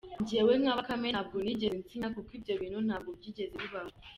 Njyewe nka Bakame ntabwo nigeze nsinya kuko ibyo bintu ntabwo byigeze bibaho”.